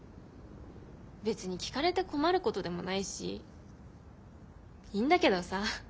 別に聞かれて困ることでもないしいいんだけどさ。